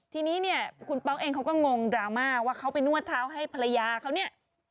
ทีนี้เนี่ยคุณป๊อกเองเขาก็งงดราม่าว่าเขาไปนวดเท้าให้ภรรยาเขาเนี่ย